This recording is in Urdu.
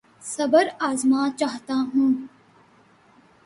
صبر آزما چاہتا ہوں